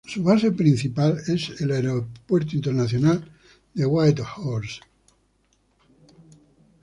Su base principal es el Aeropuerto Internacional de Whitehorse.